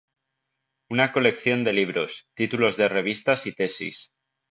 Una colección de libros, títulos de revistas y tesis.